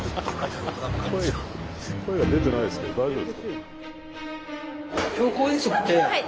声が出てないですけど大丈夫？